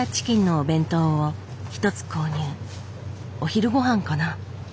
お昼ごはんかな。